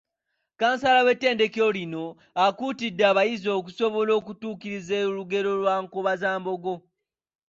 Kansala w’ettendekero lino, akuutidde abayizi okusobola okutuukiriza olugero lwa Nkobazambogo.